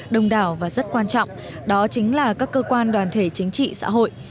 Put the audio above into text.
đông đảo và rất quan trọng đó chính là các cơ quan đoàn thể chính trị xã hội